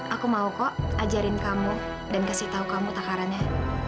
aku mau kok ajarin kamu dan kasih tahu kamu takarannya